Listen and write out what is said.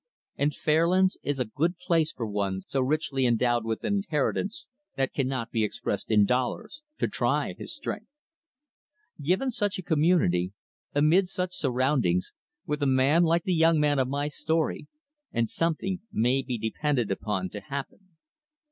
And Fairlands is a good place for one so richly endowed with an inheritance that cannot be expressed in dollars to try his strength. Given such a community, amid such surroundings, with a man like the young man of my story, and something may be depended upon to happen.